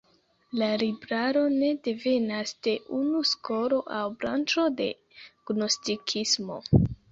La libraro ne devenas de unu skolo aŭ branĉo de gnostikismo.